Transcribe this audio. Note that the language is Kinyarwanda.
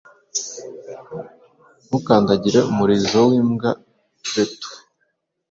Ntukandagire umurizo wimbwaabretou